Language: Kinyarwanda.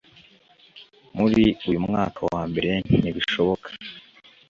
muri uyu mwaka wa mbere ntibishoboka